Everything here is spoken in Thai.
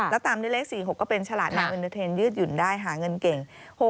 แล้วตามด้วยเลข๔๖ก็เป็นฉลาดนามเอ็นเตอร์เทนยืดหยุ่นได้หาเงินเก่ง